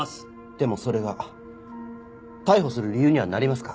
でもそれが逮捕する理由にはなりますか？